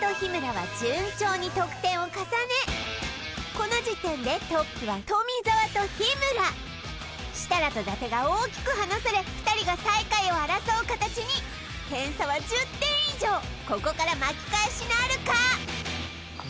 この時点でトップは富澤と日村設楽と伊達が大きく離され２人が最下位を争う形に点差は１０点以上ここから巻き返しなるか？